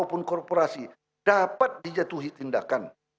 maupun korporasi dapat dijatuhi tindakan